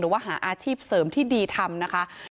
ว่าหาอาชีพเสริมที่ดีทำนะคะ